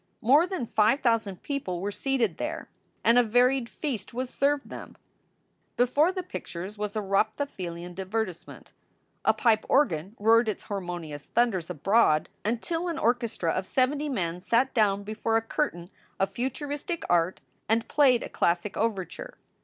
More than five thousand people were seated there, and a varied feast was served them. Before the pictures was a Rothapfelian divertisement. A pipe organ roared its harmonious thunders abroad until an orchestra of seventy men sat down before a curtain of futur istic art and played a classic overture.